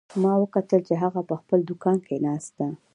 ما وکتل چې هغه په خپل دوکان کې ناست ده